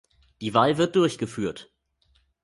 Die Wahl wird durchgeführt.